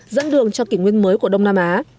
dẫn đường cho kỷ nguyên mới của đông nam á